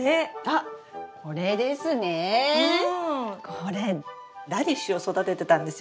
これラディッシュを育ててたんですよね。